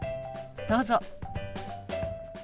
どうぞ。